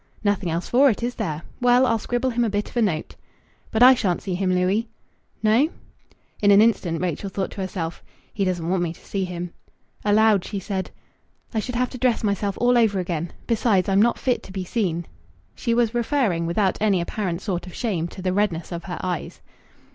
"Nothing else for it, is there? Well, I'll scribble him a bit of a note." "But I shan't see him, Louis." "No?" In an instant Rachel thought to herself: "He doesn't want me to see him." Aloud she said: "I should have to dress myself all over again. Besides, I'm not fit to be seen." She was referring, without any apparent sort of shame, to the redness of her eyes.